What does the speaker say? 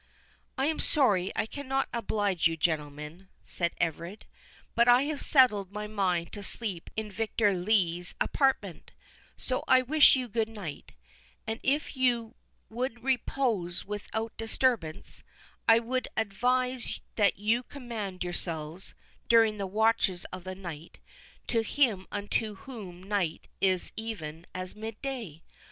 "I am sorry I cannot oblige you, gentlemen," said Everard; "but I have settled my mind to sleep in Victor Lee's apartment, so I wish you good night; and, if you would repose without disturbance, I would advise that you commend yourselves, during the watches of the night, to Him unto whom night is even as mid day.